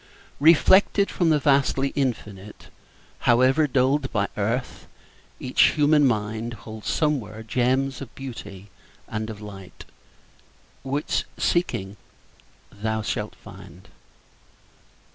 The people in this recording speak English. Reflected from the vastly Infinite, However dulled by earth, each human mind Holds somewhere gems of beauty and of light Which, seeking, thou shalt find.